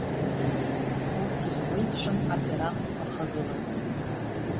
Урҭ еиуеиԥшым абираҟқәа рхагылан.